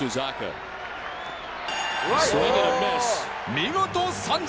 見事三振！